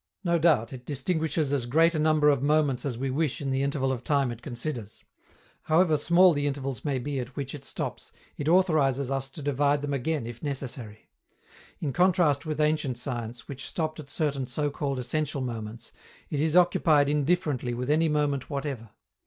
No doubt, it distinguishes as great a number of moments as we wish in the interval of time it considers. However small the intervals may be at which it stops, it authorizes us to divide them again if necessary. In contrast with ancient science, which stopped at certain so called essential moments, it is occupied indifferently with any moment whatever.